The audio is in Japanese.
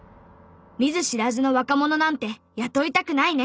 「見ず知らずの若者なんて雇いたくないね！」。